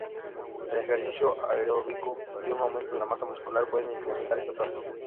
El ejercicio aeróbico y un aumento de la masa muscular pueden incrementar esta tasa.